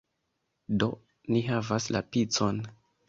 Do, ni havas la picon!